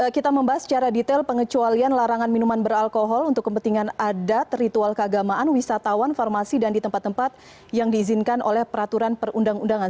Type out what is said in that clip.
kita membahas secara detail pengecualian larangan minuman beralkohol untuk kepentingan adat ritual keagamaan wisatawan farmasi dan di tempat tempat yang diizinkan oleh peraturan perundang undangan